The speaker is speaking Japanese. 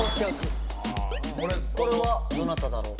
これはどなただろう？